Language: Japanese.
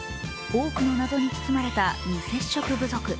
多くの謎に包まれた未接触部族。